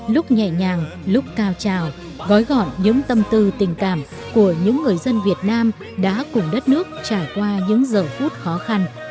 lúc nhẹ nhàng lúc cao trào gói gọn những tâm tư tình cảm của những người dân việt nam đã cùng đất nước trải qua những giờ phút khó khăn